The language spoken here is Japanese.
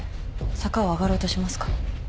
坂を上がろうとしますか？